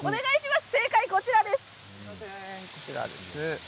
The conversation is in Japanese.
正解は、こちらです。